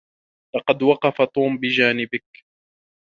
لقد وقف توم بجانبك.